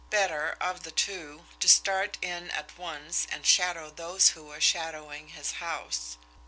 Better, of the two, to start in at once and shadow those who were shadowing his house.